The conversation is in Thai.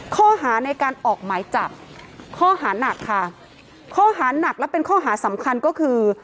ข้อหาในการออกหมายจับข้อหานักค่ะข้อหานักและเป็นข้อหาสำคัญก็คือ